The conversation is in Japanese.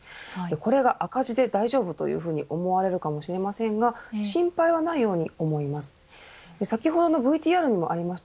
これが赤字で大丈夫というふうに思われるかもしれませんが心配はないように思います。